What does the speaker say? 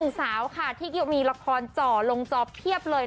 สาวค่ะที่มีละครจ่อลงจอเพียบเลย